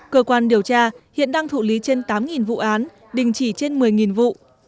cơ quan điều tra hiện đang thụ lý trên tám vụ án đình chỉ trên một mươi vụ